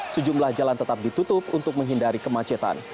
sejumlah jalan tetap ditutup untuk menghindari kemacetan